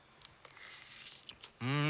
うん！